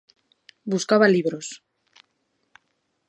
Buscaba libros.